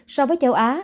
so với châu á